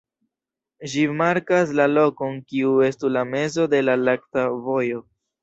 Ĝi markas la lokon kiu estu la mezo de la Lakta Vojo.